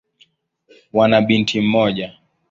Wana binti mmoja.